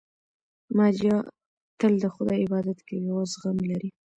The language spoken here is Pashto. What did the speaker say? ماریا تل د خدای عبادت کوي او زغم لري.